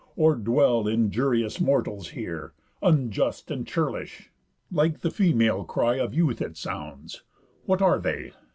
Or dwell injurious mortals here? Unjust, and churlish? Like the female cry Of youth it sounds. What are they?